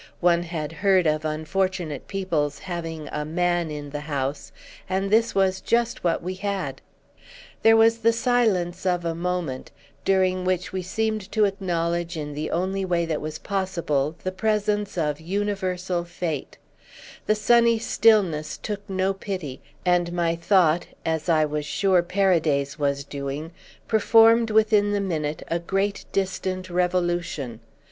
One had heard of unfortunate people's having "a man in the house," and this was just what we had. There was a silence of a moment, during which we seemed to acknowledge in the only way that was possible the presence of universal fate; the sunny stillness took no pity, and my thought, as I was sure Paraday's was doing, performed within the minute a great distant revolution.